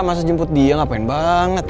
masa jemput dia ngapain banget